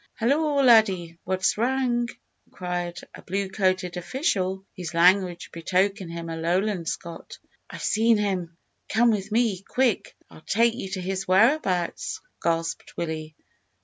"Hallo! laddie, what's wrang?" inquired a blue coated official, whose language betokened him a Lowland Scot. "I've seen him; come with me quick! I'll take you to his whereabouts," gasped Willie.